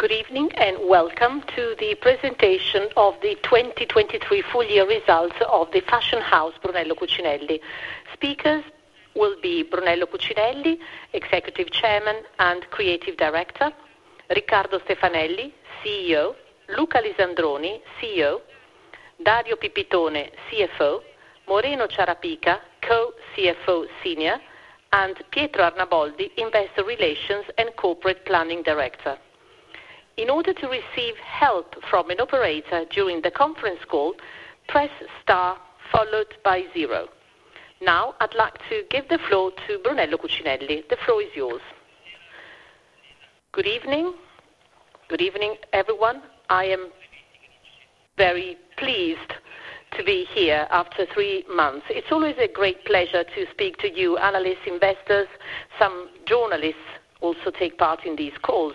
Good evening, and welcome to the presentation of the 2023 full year results of the fashion house, Brunello Cucinelli. Speakers will be Brunello Cucinelli, Executive Chairman and Creative Director, Riccardo Stefanelli, CEO, Luca Lisandroni, CEO, Dario Pipitone, CFO, Moreno Ciarapica, Co-CFO Senior, and Pietro Arnaboldi, Investor Relations and Corporate Planning Director. In order to receive help from an operator during the conference call, press star followed by zero. Now, I'd like to give the floor to Brunello Cucinelli. The floor is yours. Good evening. Good evening, everyone. I am very pleased to be here after three months. It's always a great pleasure to speak to you, analysts, investors, some journalists also take part in these calls.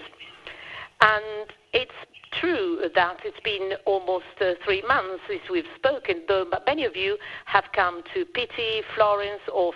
It's true that it's been almost three months since we've spoken, though, but many of you have come to Pitti, Florence, or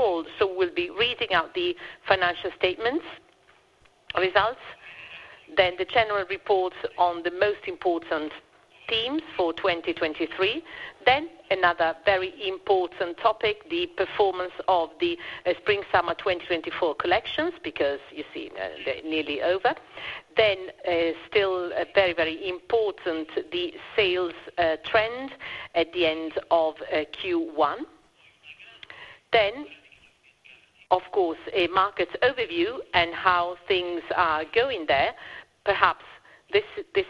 Solomeo. We'll be reading out the financial statements, results, then the general report on the most important themes for 2023. Then another very important topic, the performance of the spring/summer 2024 collections, because you see, they're nearly over. Then, still very, very important, the sales trend at the end of Q1. Then, of course, a market overview and how things are going there. Perhaps this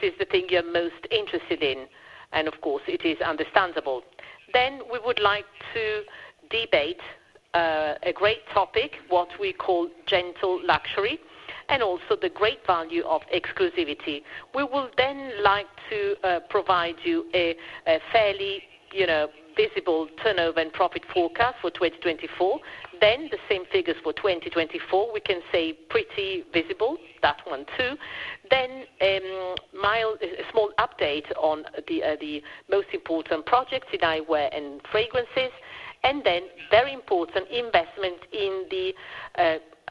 is the thing you're most interested in, and of course, it is understandable. Then we would like to debate, a great topic, what we call gentle luxury, and also the great value of exclusivity. We will then like to provide you a, a fairly, you know, visible turnover and profit forecast for 2024. Then the same figures for 2024, we can say pretty visible, that one, too. A small update on the, the most important projects in eyewear and fragrances, and then very important investment in the,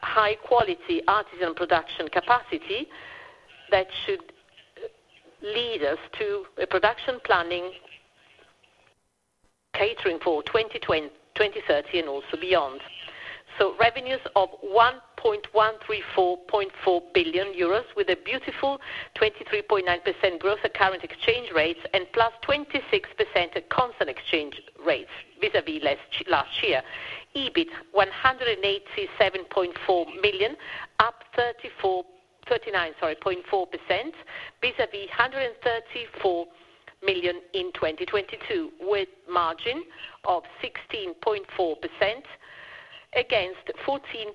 high quality artisan production capacity that should lead us to a production planning, catering for 2020, 2030, and also beyond. So revenues of 1.1344 billion euros, with a beautiful 23.9% growth at current exchange rates and plus 26% at constant exchange rates vis-à-vis last, last year. EBIT, 187.4 million, up 34, 39, sorry, 34.4%, vis-à-vis 134 million in 2022, with margin of 16.4% against 14% and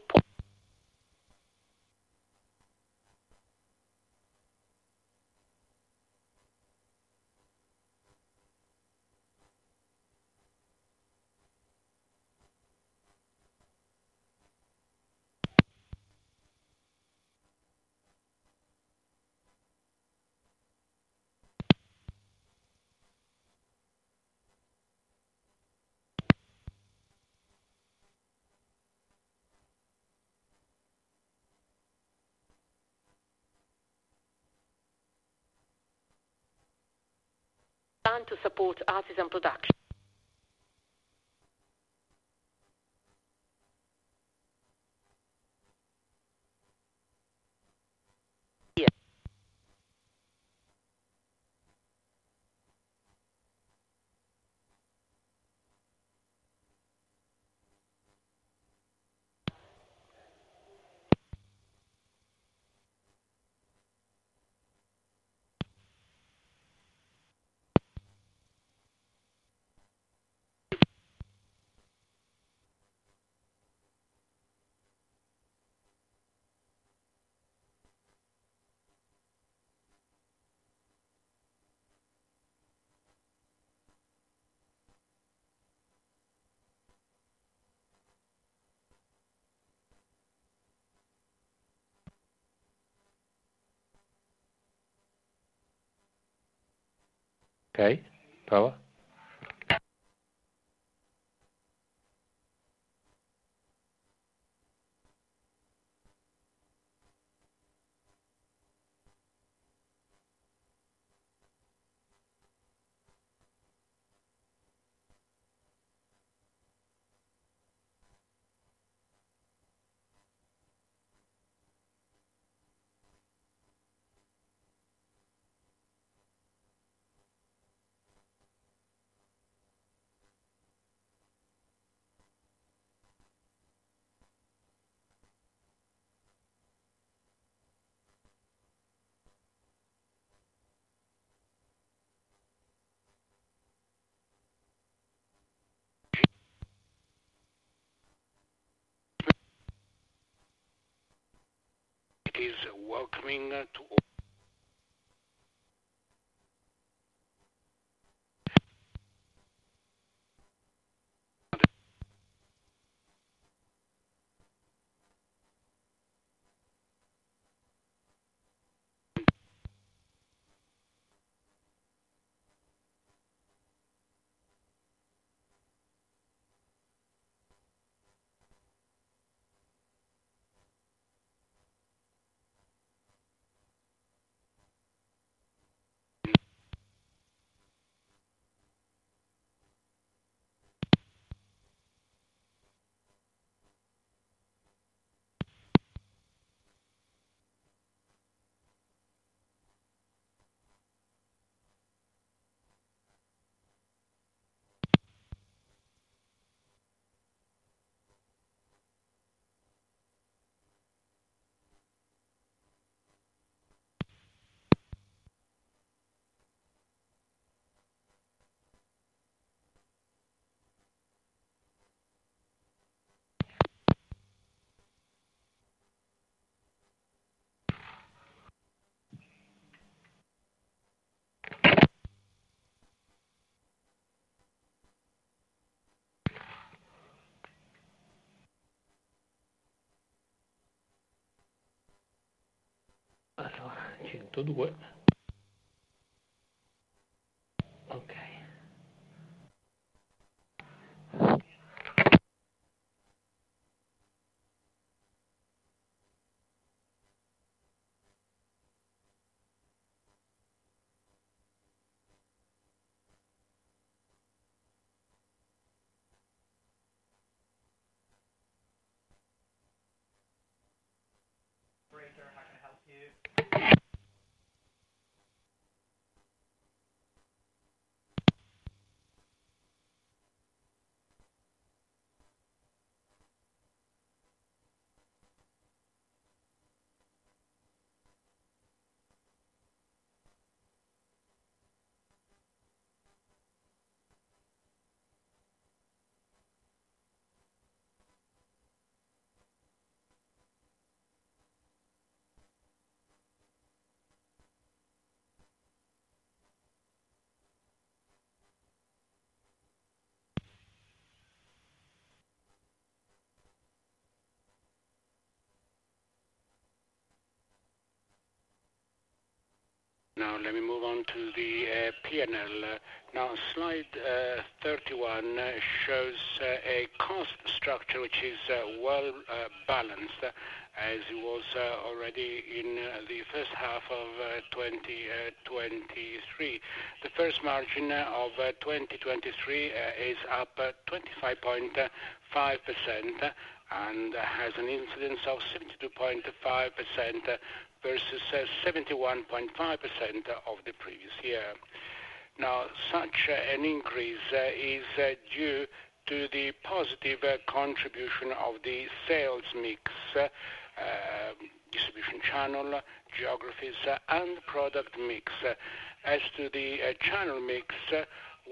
to support artisan production. Okay, prova. Please, welcoming to-... Alors, 102. OK. Now let me move on to the PNL. Now, slide 31 shows a cost structure, which is well balanced, as it was already in the first half of 2023. The first margin of 2023 is up 25.5% and has an incidence of 72.5% versus 71.5% of the previous year. Now, such an increase is due to the positive contribution of the sales mix distribution channel, geographies, and product mix. As to the channel mix,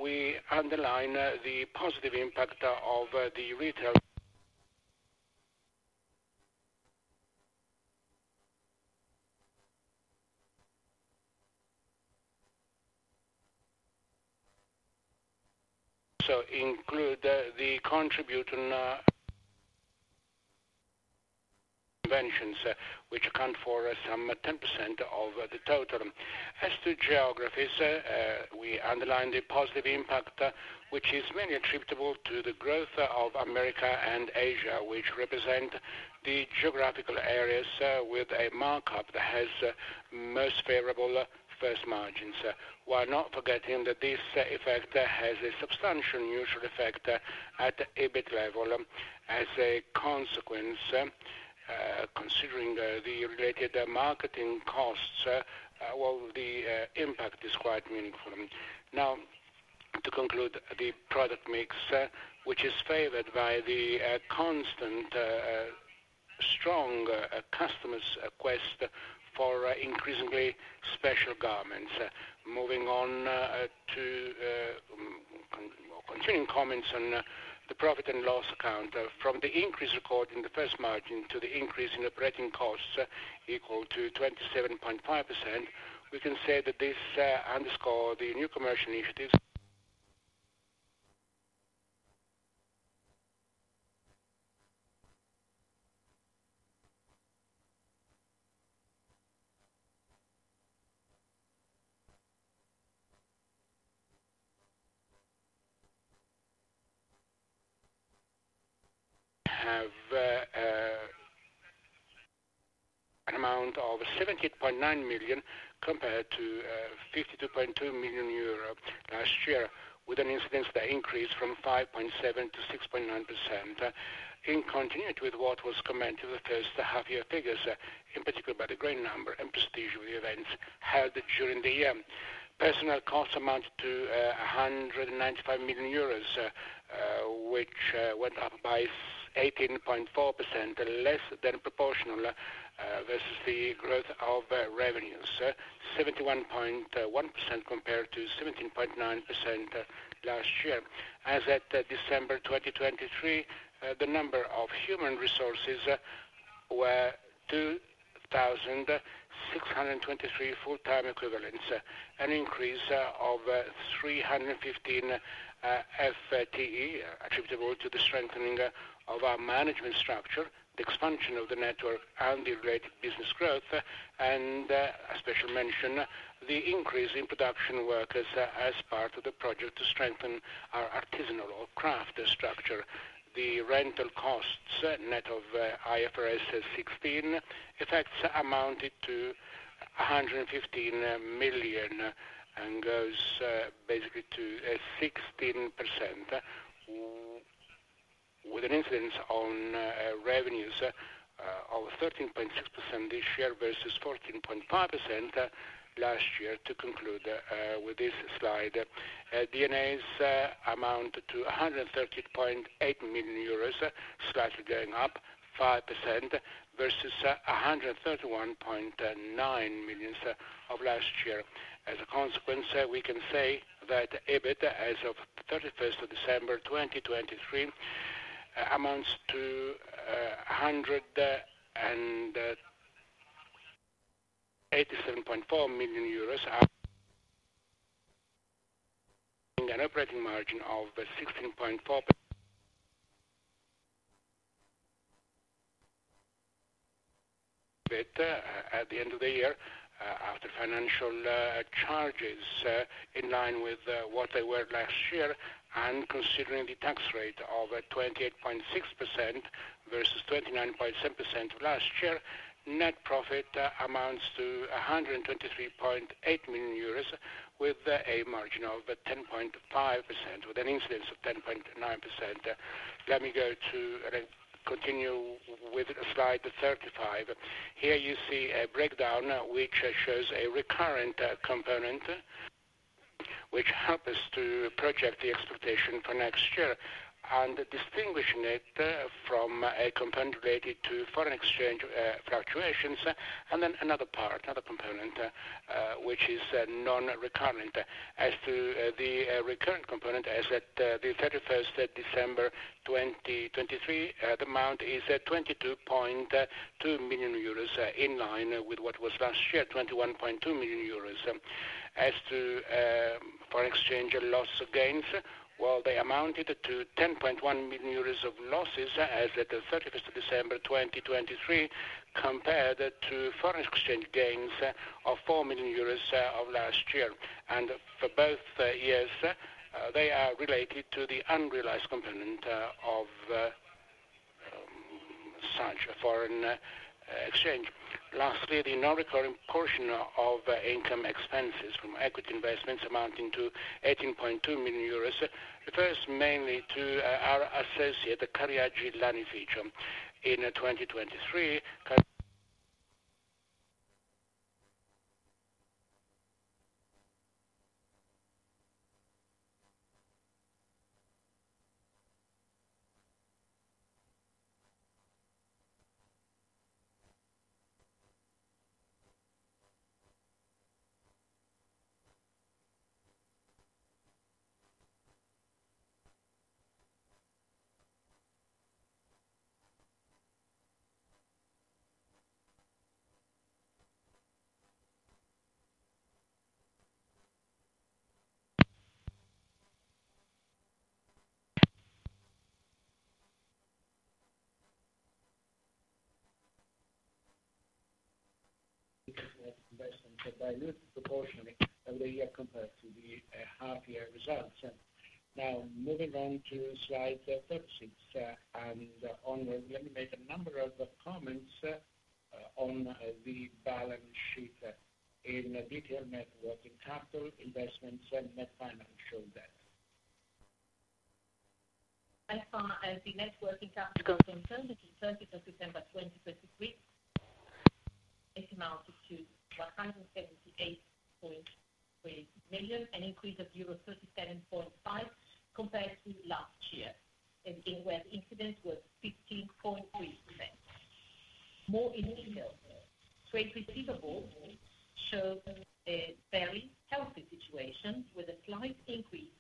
we underline the positive impact of the retail. So include the contribution conventions, which account for some 10% of the total. As to geographies, we underline the positive impact, which is mainly attributable to the growth of America and Asia, which represent the geographical areas with a markup that has most favorable First Margins. While not forgetting that this effect has a substantial neutral effect at EBIT level. As a consequence, considering the related marketing costs, well, the impact is quite meaningful. Now, to conclude, the product mix, which is favored by the constant strong customers' quest for increasingly special garments. Moving on to continuing comments on the profit and loss account, from the increase recorded in the First Margin to the increase in operating costs equal to 27.5%, we can say that this underscore the new commercial initiatives. Have an amount of 78.9 million compared to 52.2 million euro last year, with an incidence that increased from 5.7% to 6.9%. In continuity with what was commented the first half year figures, in particular, by the great number and prestige of the events held during the year. Personnel costs amount to 195 million euros, which went up by 18.4%, less than proportional versus the growth of revenues. 71.1% compared to 17.9% last year. As at December 2023, the number of human resources...... were 2,623 full-time equivalents, an increase of 315, FTE attributable to the strengthening of our management structure, the expansion of the network, and the related business growth, and, a special mention, the increase in production workers as part of the project to strengthen our artisanal or craft structure. The rental costs, net of IFRS 16, effects amounted to 115 million, and goes, basically to 16%, with an incidence on, revenues, of 13.6% this year versus 14.5% last year. To conclude, with this slide, DNAs amount to 113.8 million euros, slightly going up 5% versus 131.9 million of last year. As a consequence, we can say that EBIT, as of thirty-first of December 2023, amounts to EUR 187.4 million, and an operating margin of 16.4%. At the end of the year, after financial charges in line with what they were last year, and considering the tax rate of 28.6% versus 29.7% last year, net profit amounts to 123.8 million euros, with a margin of 10.5%, with an incidence of 10.9%. Let me go to continue with slide 35. Here you see a breakdown, which shows a recurrent component, which helps to project the expectation for next year, and distinguishing it from a component related to foreign exchange fluctuations, and then another part, another component, which is non-recurrent. As to the recurrent component, as at 31 December 2023, the amount is 22.2 million euros, in line with what was last year, 21.2 million euros. As to foreign exchange loss or gains, well, they amounted to 10.1 million euros of losses as at 31 December 2023, compared to foreign exchange gains of 4 million euros of last year. For both years, they are related to the unrealized component of such a foreign exchange. Lastly, the non-recurrent portion of income expenses from equity investments amounting to 18.2 million euros refers mainly to our associate, Cariaggi Lanificio. In 2023, investments are diluted proportionally every year compared to the half year results. Now, moving on to slide 36, let me make a number of comments on the balance sheet in detail, net working capital, capital investments, and net financial debt. As far as the net working capital is concerned, at 31 December 2023, it amounted to 178.3 million, an increase of euro 37.5 million compared to last year, and in which the incidence was 16.3%. More in detail, trade receivables shows a very healthy situation, with a slight increase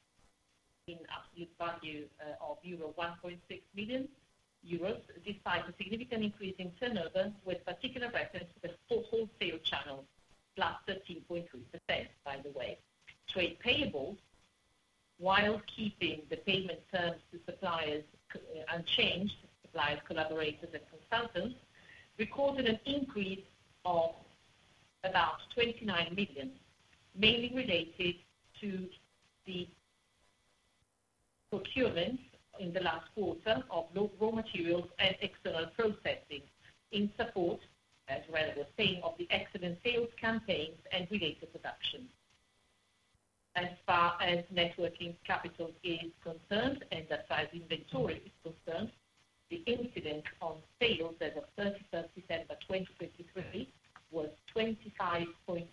in absolute value, of 1.6 million euros, despite a significant increase in turnover, with particular reference to the wholesale sales channel, +13.3%, by the way. Trade payables, while keeping the payment terms to suppliers unchanged, suppliers, collaborators, and consultants, recorded an increase of about 29 million, mainly related to the procurement in the last quarter of local materials and external processing, in support, as well as the same of the excellent sales campaigns and related production. As far as net working capital is concerned, as far as inventory is concerned, the incidence on sales as of 31 December 2023 was 25.2%,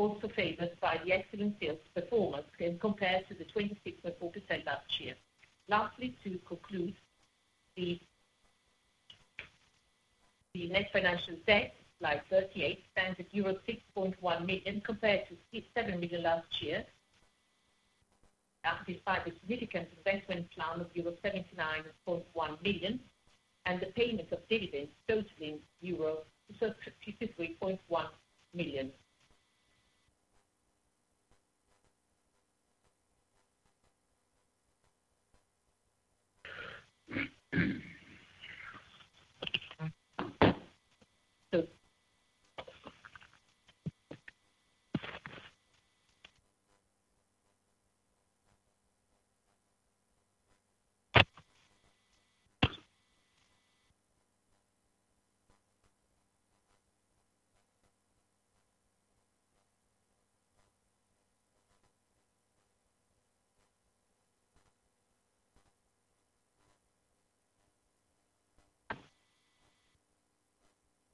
also favored by the excellent sales performance and compared to the 26.4% last year. Lastly, to conclude, the net financial debt, slide 38, stands at euro 6.1 million compared to 7 million last year, despite the significant investment plan of euro 79.1 million and the payment of dividends totaling euro 63.1 million.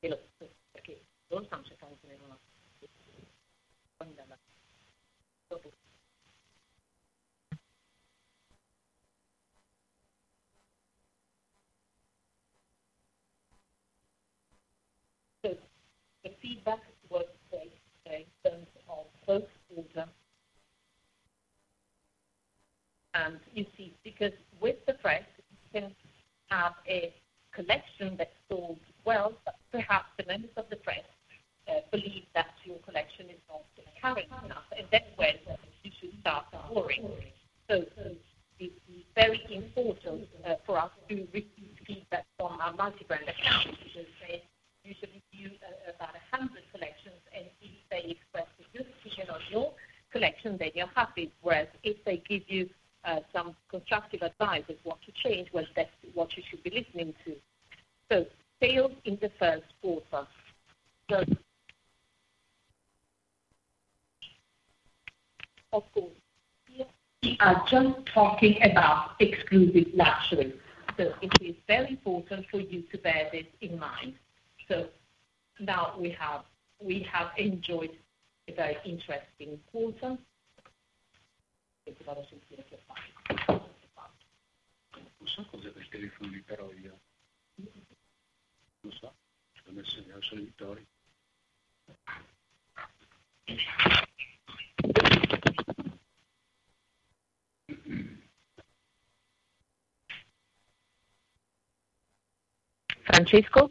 So, the feedback was based in terms of first order, and you see, because with the press, you can have a collection that sold well, but perhaps the members of the press believe that your collection is not current enough, and that's when you should start worrying. So it's very important for us to receive feedback from our multi-brand accounts, because they usually view about 100 collections, and if they express a good opinion on your collection, then you're happy. Whereas if they give you some constructive advice on what to change, well, that's what you should be listening to. So sales in the first quarter. So... Of course, we are just talking about exclusive luxury, so it is very important for you to bear this in mind. So now we have, we have enjoyed a very interesting quarter. Francesco?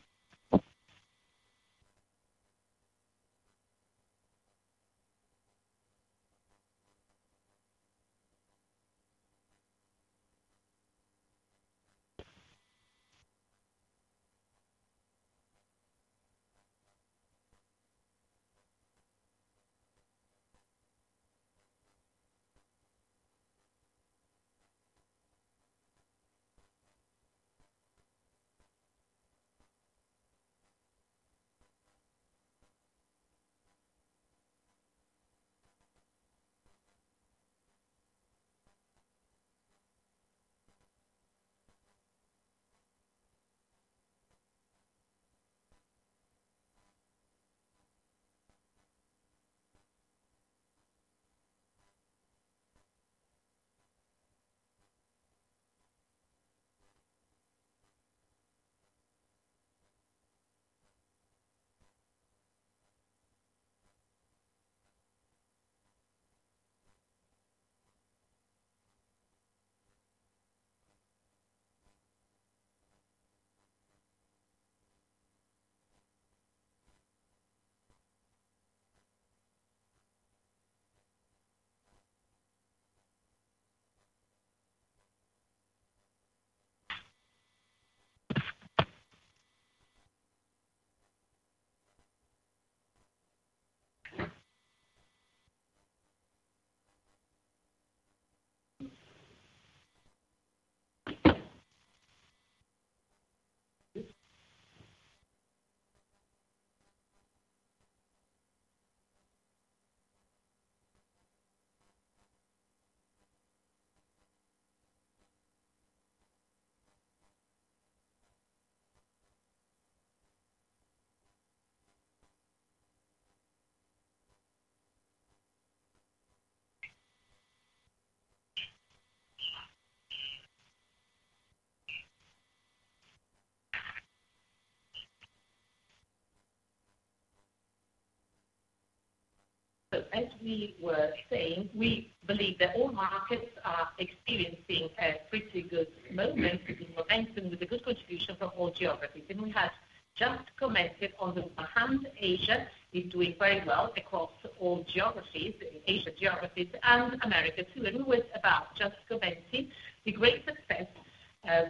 So as we were saying, we believe that all markets are experiencing a pretty good moment in Milan, with a good contribution from all geographies, and we have just commenced it. On the one hand, Asia is doing very well across all geographies, Asia geographies, and America, too, and we were about just commencing the great success,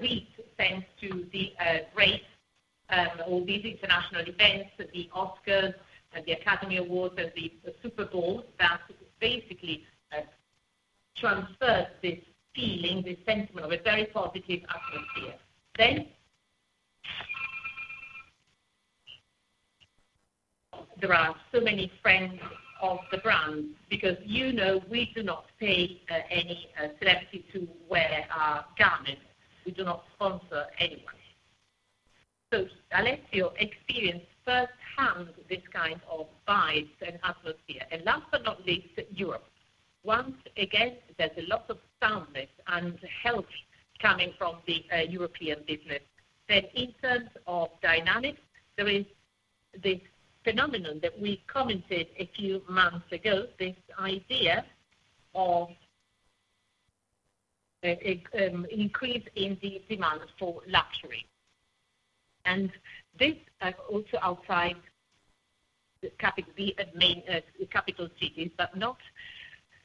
we thanks to the great all these international events, the Oscars and the Academy Awards and the Super Bowl, that basically transferred this feeling, this sentiment of a very positive atmosphere. Then, there are so many friends of the brand because, you know, we do not pay any celebrity to wear our garments. We do not sponsor anyone. So Alessio experienced firsthand this kind of vibes and atmosphere, and last but not least, Europe. Once again, there's a lot of soundness and health coming from the European business. But in terms of dynamics, there is this phenomenon that we commented a few months ago, this idea of increase in the demand for luxury. And this also outside the main capital cities, but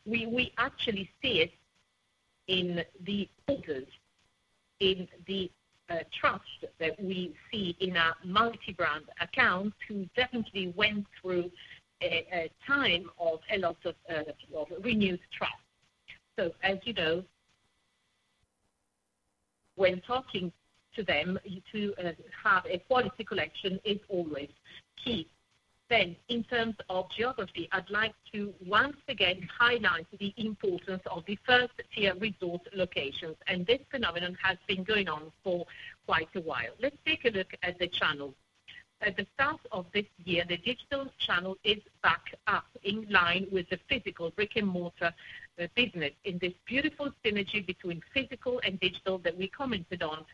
we actually see it in the orders, in the trust that we see in our multi-brand accounts, who definitely went through a time of a lot of renewed trust. So, as you know, when talking to them, to have a quality collection is always key. Then, in terms of geography, I'd like to once again highlight the importance of the first-tier resort locations, and this phenomenon has been going on for quite a while. Let's take a look at the channel. At the start of this year, the digital channel is back up in line with the physical brick-and-mortar business, in this beautiful synergy between physical and digital that we commented on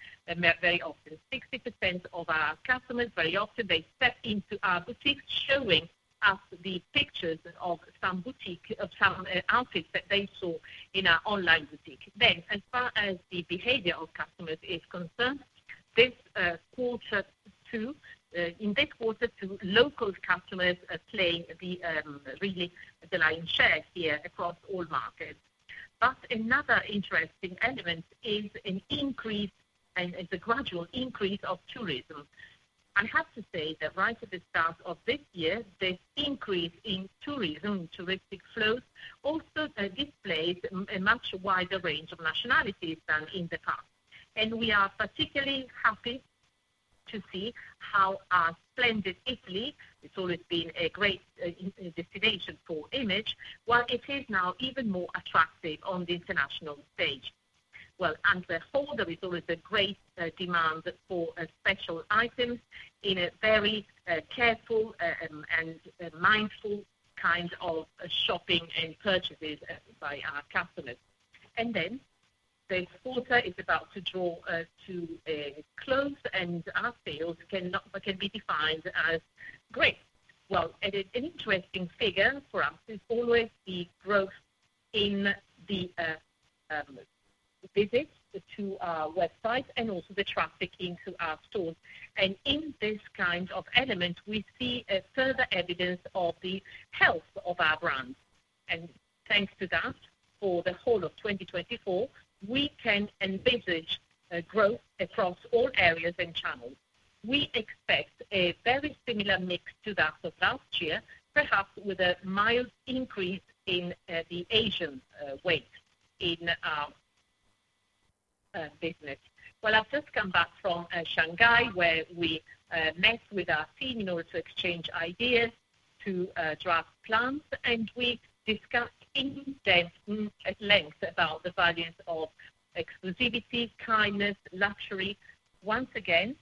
very often. 60% of our customers, very often, they step into our boutiques, showing us the pictures of some boutique, of some outfits that they saw in our online boutique. Then, as far as the behavior of customers is concerned, this quarter, too, local customers are playing really the lion's share here across all markets. But another interesting element is an increase and the gradual increase of tourism. I have to say that right at the start of this year, this increase in tourism, touristic flows, also displays a much wider range of nationalities than in the past. And we are particularly happy to see how our splendid Italy, it's always been a great destination for image; well, it is now even more attractive on the international stage. Well, and the whole, there is always a great, demand for, special items in a very, careful, and, mindful kind of shopping and purchases, by our customers. And then, this quarter is about to draw, to a close, and our sales cannot, but can be defined as great. Well, and an interesting figure for us is always the growth in the, visits to our website and also the traffic into our stores. And in this kind of element, we see a further evidence of the health of our brand. And thanks to that, for the whole of 2024, we can envisage a growth across all areas and channels. We expect a very similar mix to that of last year, perhaps with a mild increase in, the Asian, weight in our, business. Well, I've just come back from Shanghai, where we met with our team in order to exchange ideas, to draft plans, and we discussed in depth, at length about the values of exclusivity, kindness, luxury. Once again,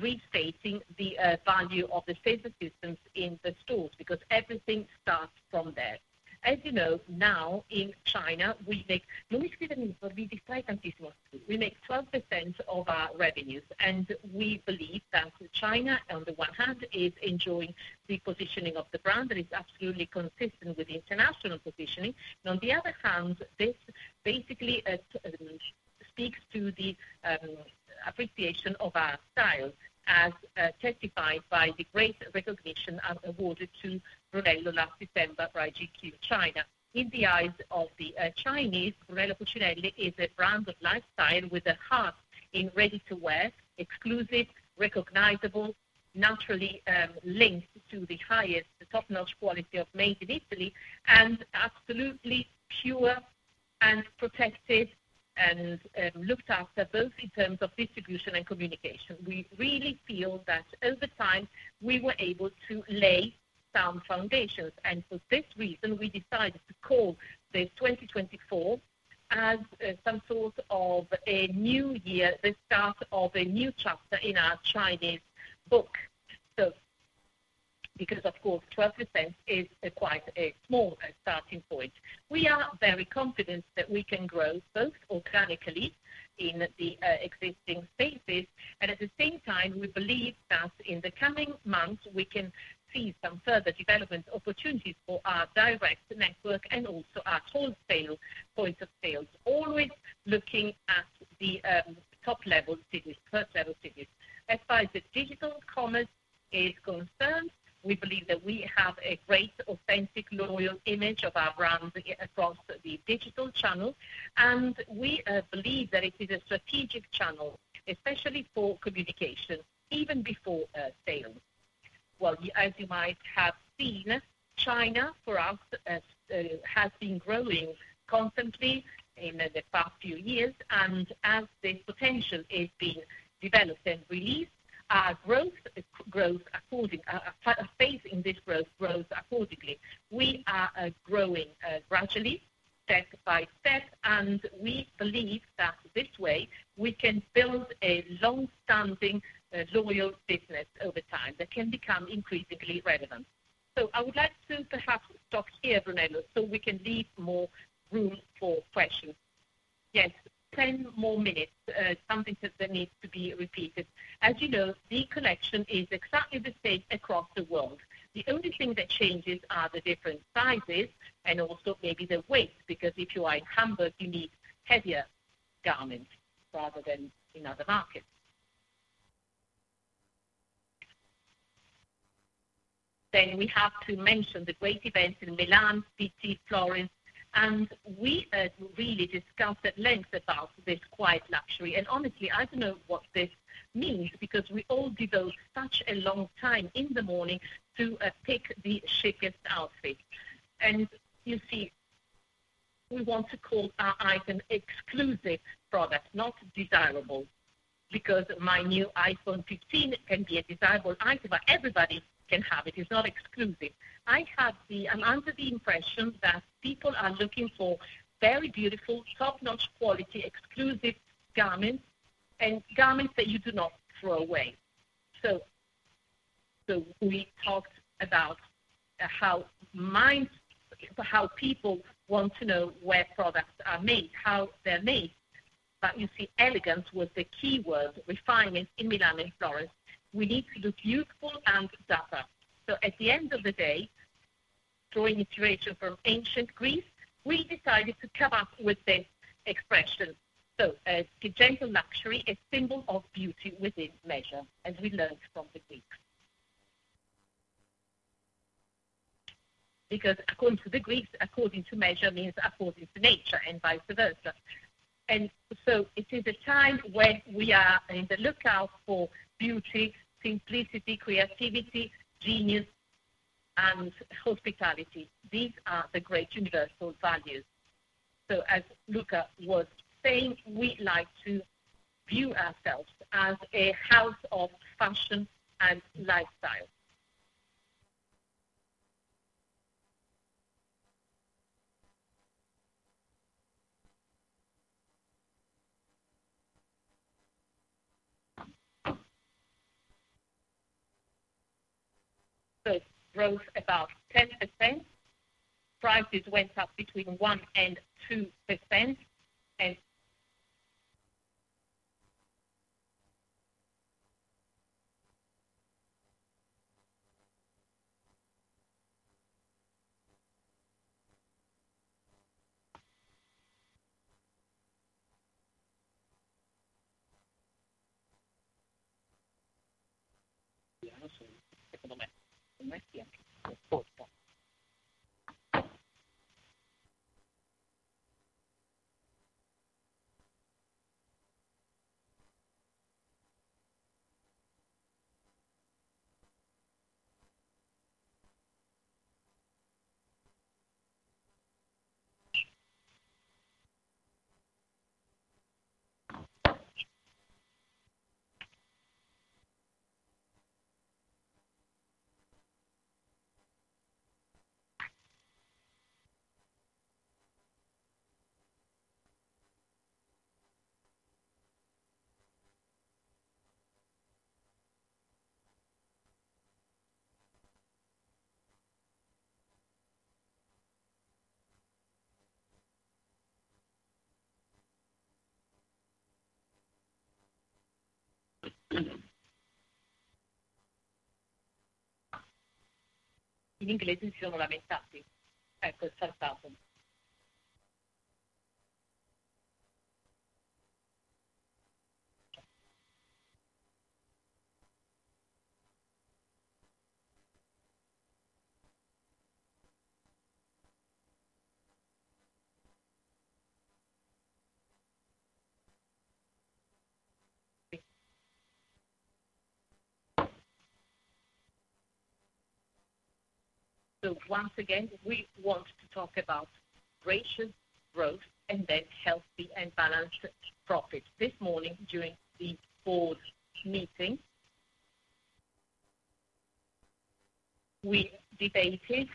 restating the value of the sales assistants in the stores, because everything starts from there. As you know, now in China, we make... We make 12% of our revenues, and we believe that China, on the one hand, is enjoying the positioning of the brand, that is absolutely consistent with the international positioning. And on the other hand, this basically speaks to the appreciation of our style, as testified by the great recognition awarded to Brunello last December by GQ China. In the eyes of the Chinese, Brunello Cucinelli is a brand of lifestyle with a heart in ready-to-wear, exclusive, recognizable, naturally linked to the highest, top-notch quality of made in Italy, and absolutely pure and protected, and looked after both in terms of distribution and communication. We really feel that over time, we were able to lay some foundations, and for this reason, we decided to call this 2024 as some sort of a new year, the start of a new chapter in our Chinese book. So because, of course, 12% is a quite a small starting point. We are very confident that we can grow both organically in the existing spaces, and at the same time, we believe that in the coming months, we can see some further development opportunities for our direct network and also our wholesale point of sales, always looking at the top-level cities, first-level cities. As far as the digital commerce is concerned, we believe that we have a great, authentic, loyal image of our brand across the digital channel, and we believe that it is a strategic channel, especially for communication, even before sales. Well, as you might have seen, China, for us, has been growing constantly in the past few years, and as this potential is being developed and released, our growth pace in this growth grows accordingly. We are growing gradually. Step by step, and we believe that this way we can build a long-standing, loyal business over time that can become increasingly relevant. So I would like to perhaps stop here, Brunello, so we can leave more room for questions. Yes, ten more minutes, something that needs to be repeated. As you know, the collection is exactly the same across the world. The only thing that changes are the different sizes and also maybe the weight, because if you are in Hamburg, you need heavier garments rather than in other markets. Then we have to mention the great events in Milan, Pitti, Florence, and we really discussed at length about this quiet luxury. And honestly, I don't know what this means, because we all devote such a long time in the morning to pick the chicest outfit. And you see, we want to call our item exclusive product, not desirable, because my new iPhone 15 can be a desirable item, but everybody can have it. It's not exclusive. I have the... I'm under the impression that people are looking for very beautiful, top-notch quality, exclusive garments and garments that you do not throw away. So, so we talked about how people want to know where products are made, how they're made. But you see, elegance was the key word, refinement in Milan and Florence. We need to look youthful and dapper. So at the end of the day, drawing inspiration from ancient Greece, we decided to come up with this expression. So, the Gentle Luxury, a symbol of beauty within measure, as we learned from the Greeks. Because according to the Greeks, according to measure means according to nature and vice versa. It is a time when we are in the lookout for beauty, simplicity, creativity, genius, and hospitality. These are the great universal values. As Luca was saying, we like to view ourselves as a house of fashion and lifestyle. Growth about 10%. Prices went up between 1% and 2%, and... So once again, we want to talk about gracious growth and then healthy and balanced profits. This morning during the board meeting, we debated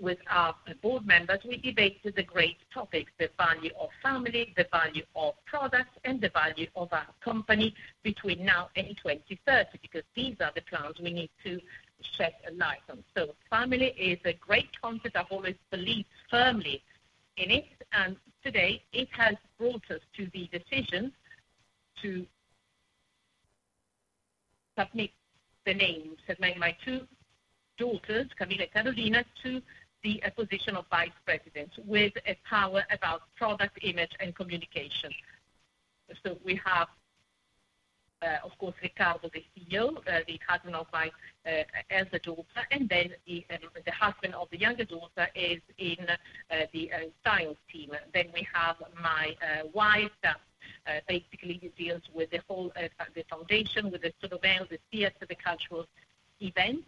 with our board members, we debated the great topics: the value of family, the value of products, and the value of our company between now and 2030, because these are the plans we need to shed a light on. So family is a great concept. I've always believed firmly in it, and today it has brought us to the decision to submit the names of my two daughters, Camilla and Carolina, to the position of Vice President, with a power about product image and communication. So we have, of course, Riccardo, the CEO, the husband of my elder daughter, and then the husband of the younger daughter is in the style team. Then we have my wife, basically, she deals with the whole foundation, with the La Scala Theater, the cultural events.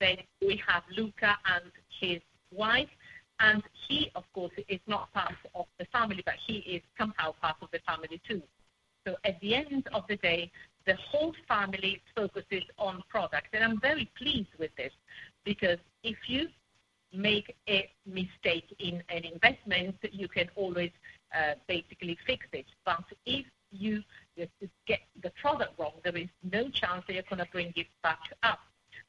Then we have Luca and his wife. And he, of course, is not part of the family, but he is somehow part of the family, too. So at the end of the day, the whole family focuses on product, and I'm very pleased with this, because if you make a mistake in an investment, you can always, basically fix it. But if you just get the product wrong, there is no chance that you're going to bring it back up.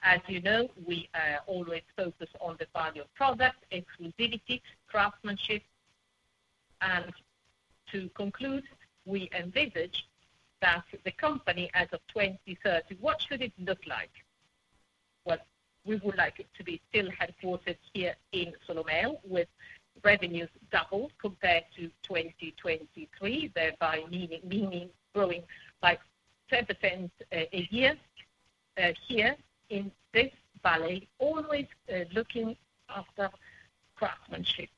As you know, we always focus on the value of product, exclusivity, craftsmanship. And to conclude, we envisage that the company, as of 2030, what should it look like? Well, we would like it to be still headquartered here in Solomeo, with revenues doubled compared to 2023, thereby meaning, meaning growing by 10%, a year, here in this valley, always, looking after craftsmanship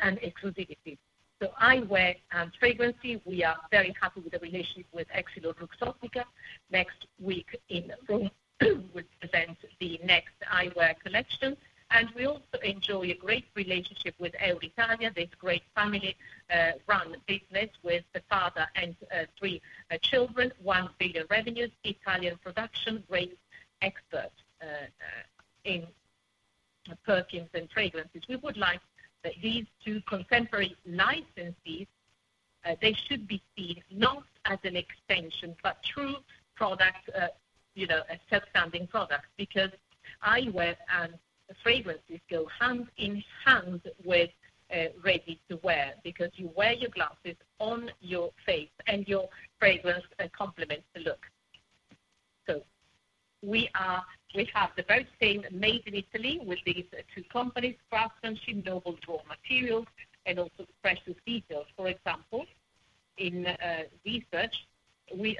and exclusivity. So eyewear and fragrance, we are very happy with the relationship with EssilorLuxottica. Next week in Rome, we present the next eyewear collection, and we also enjoy a great relationship with Euroitalia, this great family run business with the father and, three, children, 1 billion revenues, Italian production, great expert, in perfumes and fragrances. We would like that these two contemporary licensees, they should be seen not as an extension, but true products, you know, a self-standing product, because eyewear and fragrances go hand in hand with ready-to-wear, because you wear your glasses on your face and your fragrance complements the look. So we have the very same Made in Italy with these two companies, craftsmanship, noble raw materials, and also precious details. For example, in research, we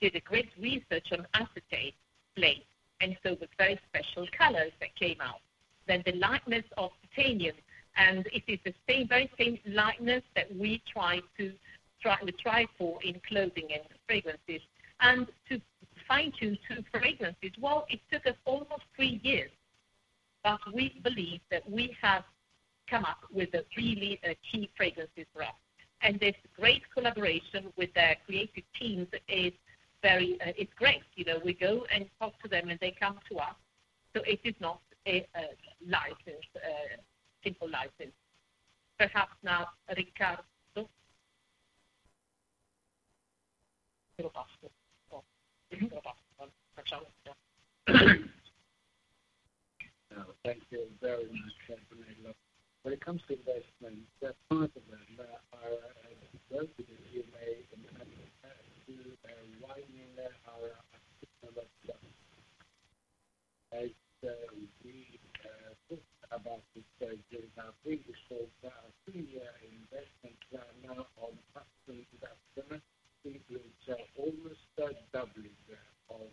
did a great research on acetate plate, and so the very special colors that came out, then the lightness of titanium, and it is the same very same lightness that we try for in clothing and fragrances. To fine-tune two fragrances, well, it took us almost three years, but we believe that we have come up with a really key fragrances for us. And this great collaboration with the creative teams is very, it's great. You know, we go and talk to them, and they come to us, so it is not a license, simple license. Perhaps now, Riccardo? Thank you very much, Antonella. When it comes to investment, that part of them are as we talked about it in our previous call, three-year investment plan now on factory that includes almost doubling of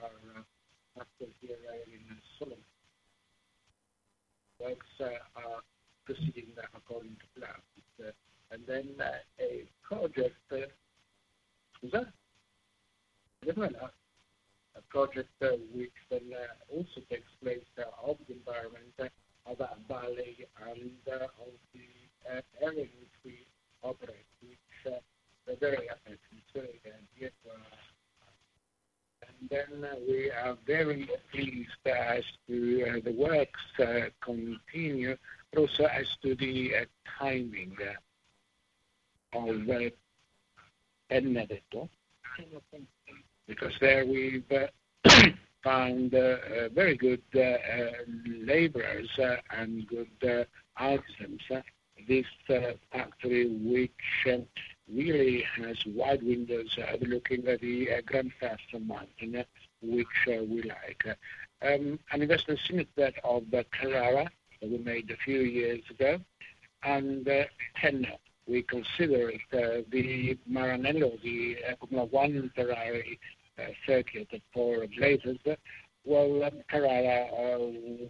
our factory in Solomeo. Works proceeding according to plan. And then a project which also takes place of the environment of valley and of the area we operate, which very effective. And then we are very pleased as to the works continue, but also as to the timing of Penne. Because there we've found very good laborers and good artisans. This factory which really has wide windows looking at the Gran Sasso mountain, which we like. An investment similar to that of the Carrara, we made a few years ago, and, then we consider it, the Maranello, the, one Ferrari, circuit of four places. Well, Carrara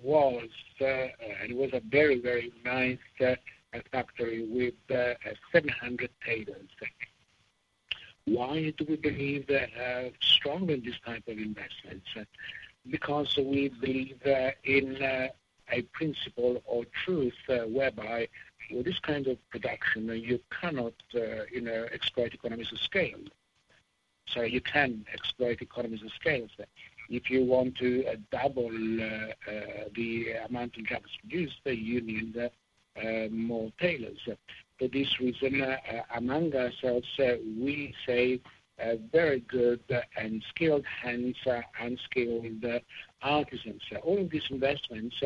was, it was a very, very nice, factory with, 700 tailors. Why do we believe strong in this type of investments? Because we believe in a principle or truth, whereby with this kind of production, you cannot, you know, exploit economies of scale. Sorry, you can exploit economies of scale. If you want to double the amount you can produce, you need more tailors. For this reason, among ourselves, we say very good and skilled hands and skilled artisans. All of these investments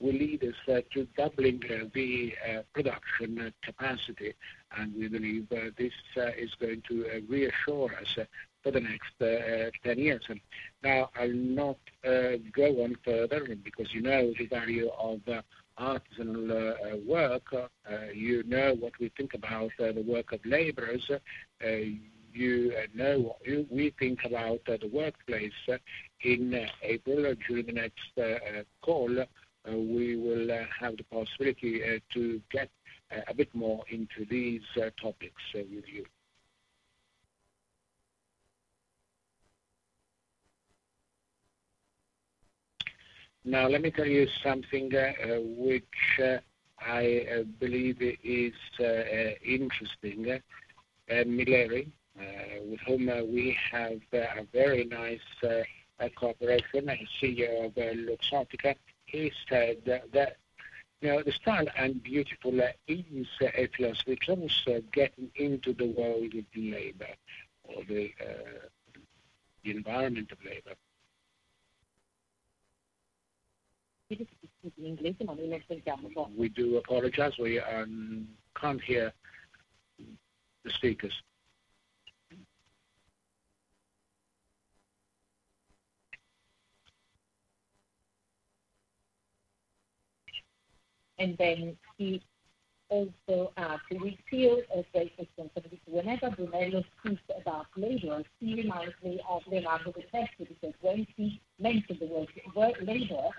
will lead us to doubling the production capacity, and we believe this is going to reassure us for the next 10 years. Now, I'll not go on further because you know the value of artisanal work. You know what we think about the work of laborers. You know what we think about the workplace. In April, during the next call, we will have the possibility to get a bit more into these topics with you. Now, let me tell you something which I believe is interesting. Milleri, with whom we have a very nice cooperation, the CEO of Luxottica, he said that you know, the style and beautiful is a philosophy, it's almost getting into the world of labor or the environment of labor. We do apologize. We can't hear the speakers. And then he also asked, do we feel a great sensitivity? Whenever Brunello speaks about labor, he reminds me of Leonardo da Vinci, because when he mentioned the word labor,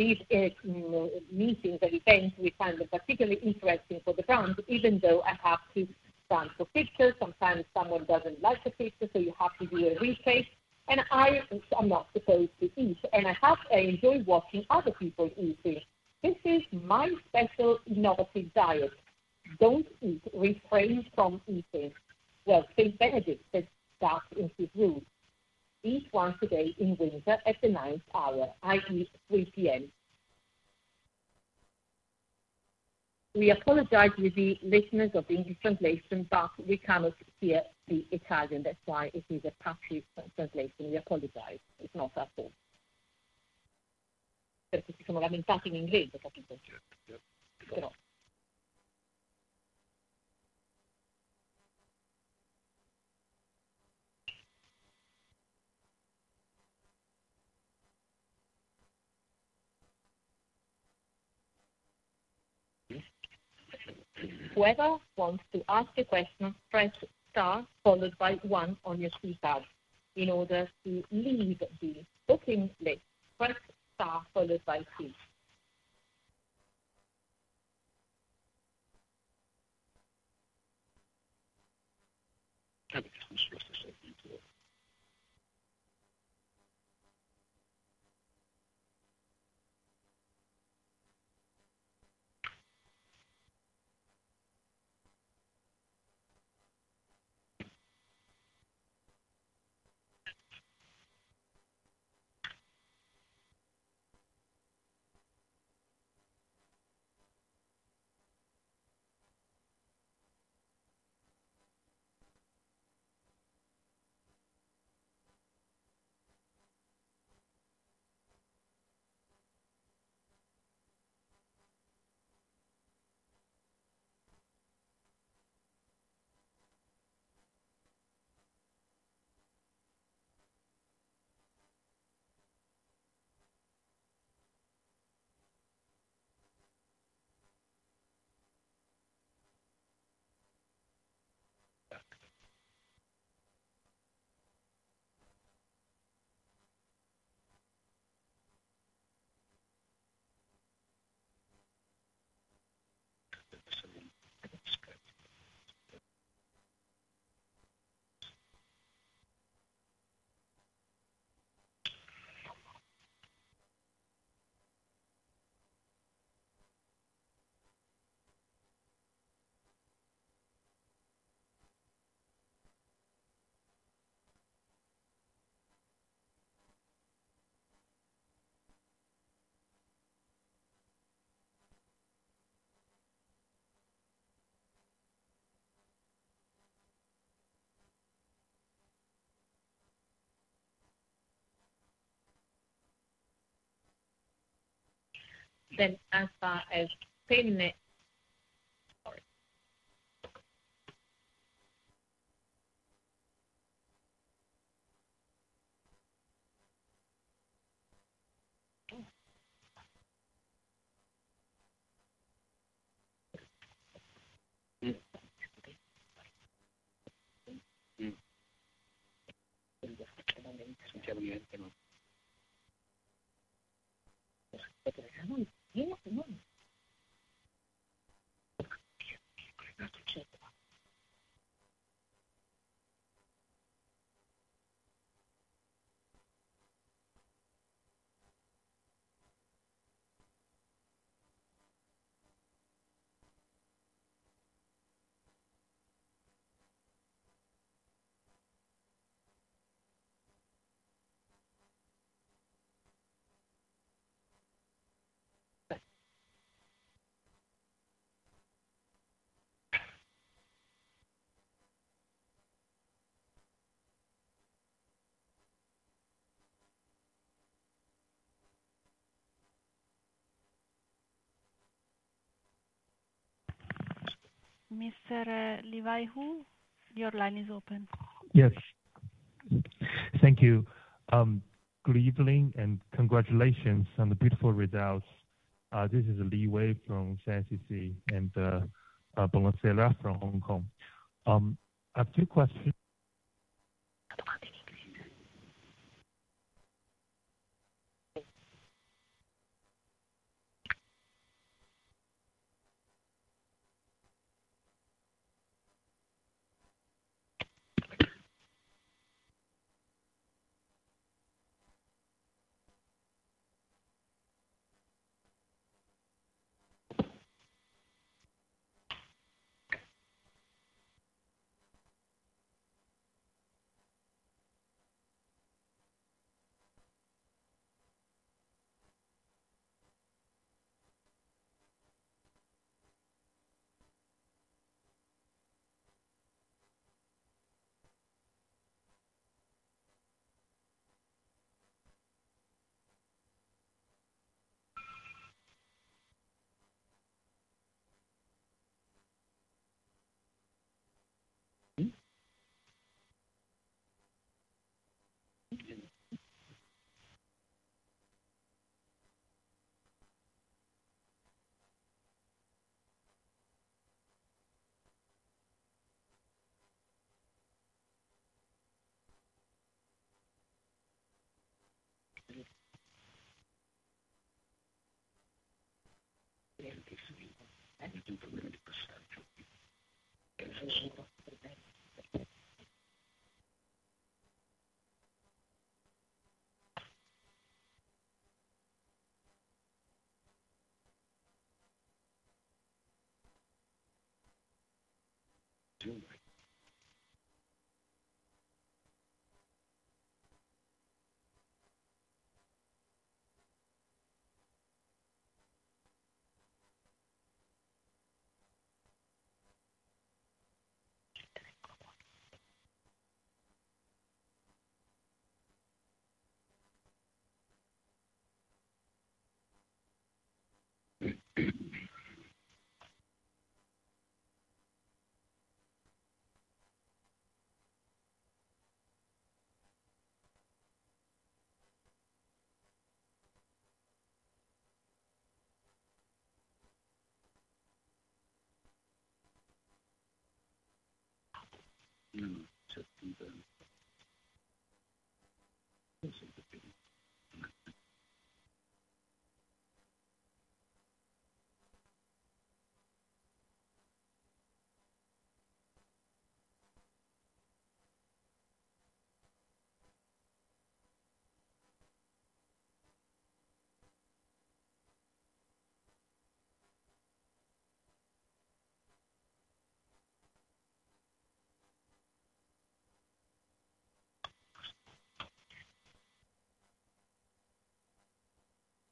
these meetings and events, we find them particularly interesting for the brand, even though I have to stand for pictures. Sometimes someone doesn't like the picture, so you have to do a retake, and I also am not supposed to eat, and I have... I enjoy watching other people eating. This is my special innovative diet. Don't eat, refrain from eating. Well, same benefits that improve. Eat once a day in winter at the ninth hour, i.e., 3 P.M. We apologize with the listeners of the English translation, but we cannot hear the Italian. That's why it is a patchy translation. We apologize. It's not our fault. Yep, yep. Whoever wants to ask a question, press star followed by one on your keypad. In order to leave the booking list, press star followed by two. Then as far as payment... Sorry.... Mr. Levi Hu, your line is open. Yes. Thank you. Good evening, and congratulations on the beautiful results. This is Levi Hu from CICC and Bloomberg from Hong Kong. I have two questions.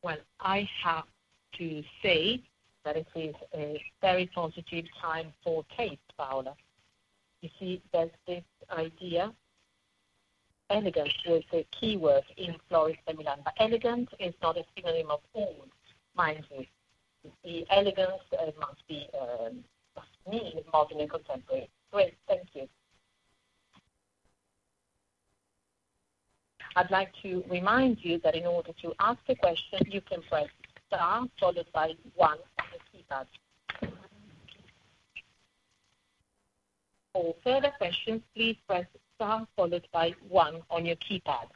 Well, I have to say that it is a very positive time for Kade, Paola. You see, there's this idea. Elegance is the key word in Florence, Milan, but elegance is not a synonym of old, mind you. The elegance must be modern and contemporary. Great, thank you. I'd like to remind you that in order to ask a question, you can press star followed by one on your keypad. For further questions, please press star followed by one on your keypad.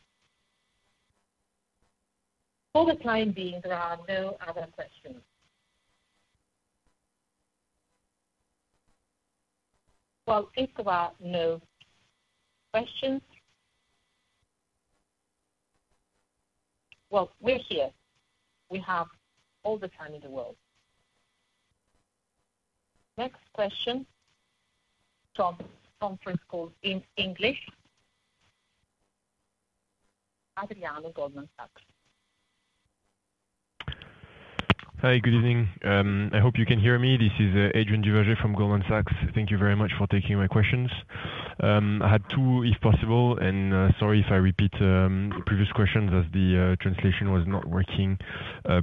For the time being, there are no other questions. Well, if there are no questions... Well, we're here. We have all the time in the world. Next question from conference call in English. Adriano, Goldman Sachs. Hi. Good evening. I hope you can hear me. This is Adrien Duverger from Goldman Sachs. Thank you very much for taking my questions. I had two, if possible, and sorry if I repeat the previous questions, as the translation was not working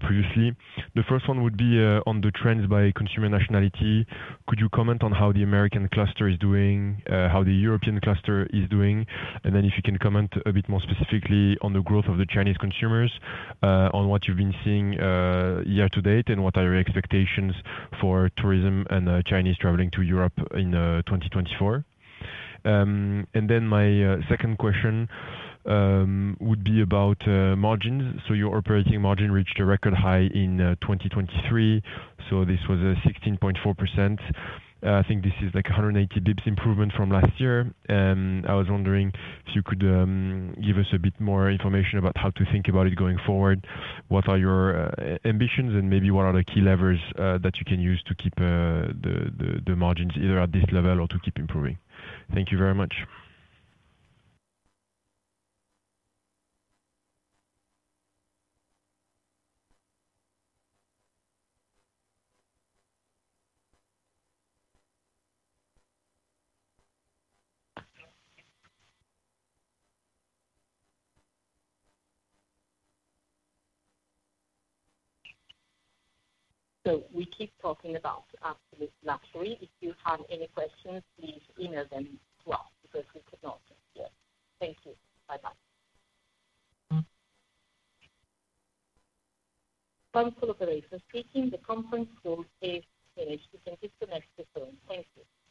previously. The first one would be on the trends by consumer nationality. Could you comment on how the American cluster is doing, how the European cluster is doing? And then if you can comment a bit more specifically on the growth of the Chinese consumers, on what you've been seeing year to date, and what are your expectations for tourism and Chinese traveling to Europe in 2024? And then my second question would be about margins. So your operating margin reached a record high in 2023. This was a 16.4%. I think this is like a 180 basis points improvement from last year. I was wondering if you could give us a bit more information about how to think about it going forward. What are your ambitions, and maybe what are the key levers that you can use to keep the margins either at this level or to keep improving? Thank you very much. We keep talking about after this luxury. If you have any questions, please email them to us, because we could not hear. Thank you. Bye-bye. Conference operator speaking, the conference call is finished. You can disconnect your phone. Thank you.